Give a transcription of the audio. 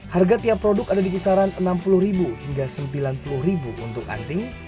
harga tiap produk ada di kisaran rp enam puluh hingga rp sembilan puluh untuk anting